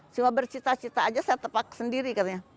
cuma bercita cita aja saya tepat sendiri katanya